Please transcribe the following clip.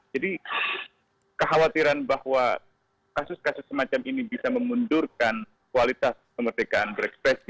jadi kekhawatiran bahwa kasus kasus semacam ini bisa memundurkan kualitas kemerdekaan berekspresi